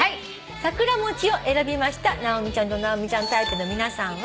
「桜もち」を選びました直美ちゃんと直美ちゃんタイプの皆さんは。